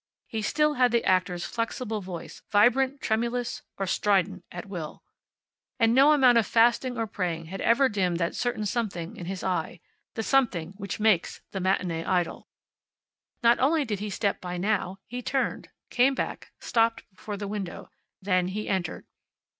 He still had the actor's flexible voice, vibrant, tremulous, or strident, at will. And no amount of fasting or praying had ever dimmed that certain something in his eye the something which makes the matinee idol. Not only did he step by now; he turned, came back; stopped before the window. Then he entered.